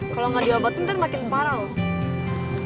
kalo gak diobatin ntar makin parah loh